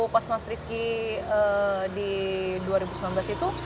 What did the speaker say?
pas mas rizky di dua ribu sembilan belas itu